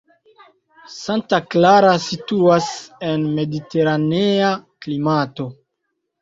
Santa Clara situas en mediteranea klimato.